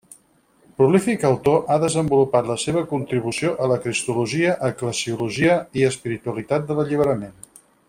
Prolífic autor, ha desenvolupat la seva contribució a la cristologia, eclesiologia i espiritualitat de l'alliberament.